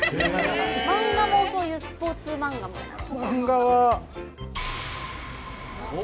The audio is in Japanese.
漫画もそういうスポーツ漫画漫画は。